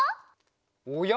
おや？